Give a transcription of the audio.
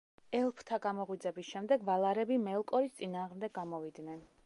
ელფთა გამოღვიძების შემდეგ ვალარები მელკორის წინააღმდეგ გამოვიდნენ.